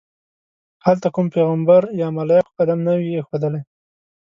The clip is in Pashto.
هلته کوم پیغمبر یا ملایکو قدم نه وي ایښودلی.